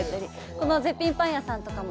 この絶品パン屋さんとかも。